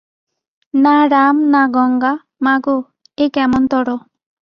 না রাম না গঙ্গা, মা গো, এ কেমনতরো!